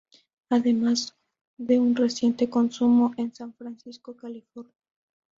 Además de un reciente consumo en San Francisco, California.